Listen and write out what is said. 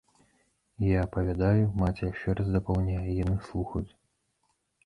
Я апавядаю, маці яшчэ раз дапаўняе, яны слухаюць.